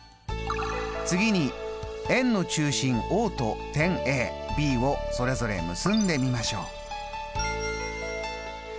次に円の中心Ｏと点ＡＢをそれぞれ結んでみましょう。